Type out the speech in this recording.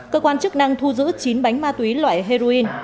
cơ quan chức năng thu giữ chín bánh ma túy loại heroin